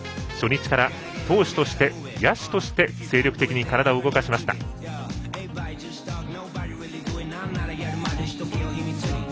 初日から投手として、野手として精力的に体を動かしました。